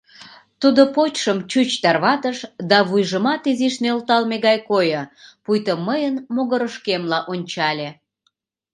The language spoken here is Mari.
Тудо почшым чуч тарватыш да вуйжымат изиш нӧлталме гай койо, пуйто мыйын могырышкемла ончале.